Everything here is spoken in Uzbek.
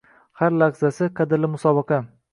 Har lahzasi qadrli musobaqa